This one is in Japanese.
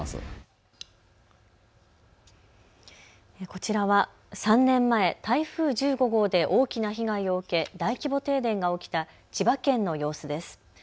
こちらは３年前、台風１５号で大きな被害を受け、大規模停電が起きた千葉県の様子です。